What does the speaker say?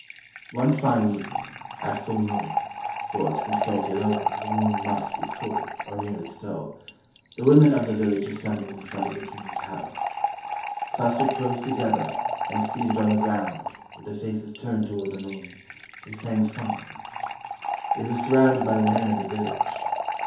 One fine evening, at full moon (for, to consult Ilogo, the moon must be full, or nearly so), the women of the village assembled in front of the king's house. Clustered close together, and seated on the ground, with their faces turned toward the moon, they sang songs. They were surrounded by the men of the village.